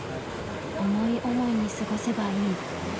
思い思いに過ごせばいい」。